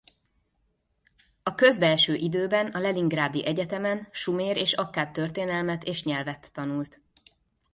A közbeeső időben a Leningrádi Egyetemen sumer és akkád történelmet és nyelvet tanult.